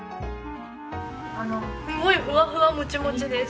すごいフワフワモチモチです。